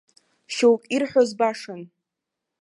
Шьоук ирҳәоз башан.